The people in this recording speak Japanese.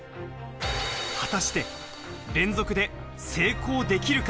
果たして、連続で成功できるか？